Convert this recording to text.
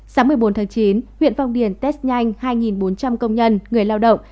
sáng một mươi bốn tháng chín huyện phong điền test nhanh hai bốn trăm linh công nhân người lao động